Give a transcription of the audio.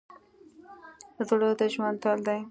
زړه د ژوند تل دی.